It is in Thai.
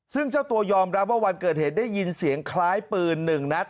ซึ่งเจ้าตัวยอมรับว่าวันเกิดเหตุได้ยินเสียงคล้ายปืนหนึ่งนัด